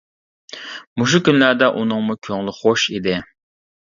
مۇشۇ كۈنلەردە ئۇنىڭمۇ كۆڭلى خوش ئىدى.